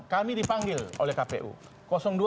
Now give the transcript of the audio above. kami dipanggil oleh kpu